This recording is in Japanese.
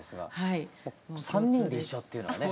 ３人で一緒っていうのはね。